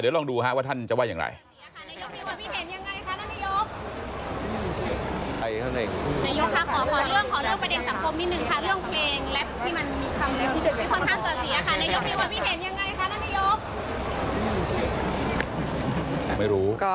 เดี๋ยวลองดูว่าท่านจะว่ายังไง